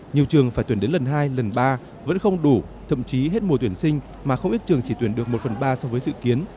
nhiều trường phải tuyển đến lần hai lần ba vẫn không đủ thậm chí hết mùa tuyển sinh mà không ít trường chỉ tuyển được một phần ba so với dự kiến